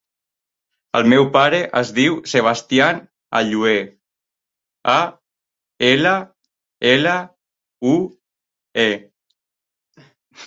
El meu pare es diu Sebastian Allue: a, ela, ela, u, e.